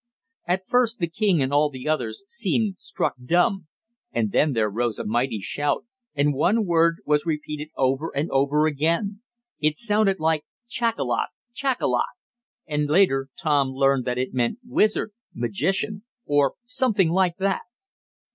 At first the king and all the others seemed struck dumb, and then there arose a mighty shout, and one word was repeated over and over again. It sounded like "Chackalok! Chackalok!" and later Tom learned that it meant wizard, magician or something like that.